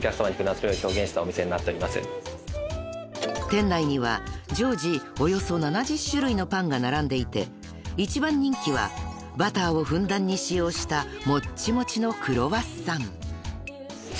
［店内には常時およそ７０種類のパンが並んでいて一番人気はバターをふんだんに使用したもっちもちの］